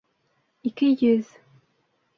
Ике йөҙ